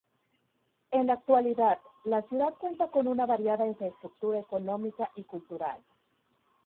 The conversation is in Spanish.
En la actualidad, la ciudad cuenta con una variada infraestructura económica y cultural.